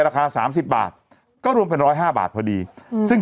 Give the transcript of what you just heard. เพราะมันไม่ดังมันไม่มีเงิน